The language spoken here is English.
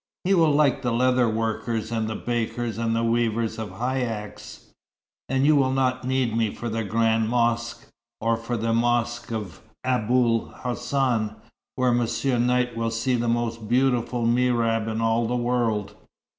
He will like the leather workers and the bakers, and the weavers of haïcks. And you will not need me for the Grande Mosquée, or for the Mosquée of Aboul Hassan, where Monsieur Knight will see the most beautiful mihrab in all the world.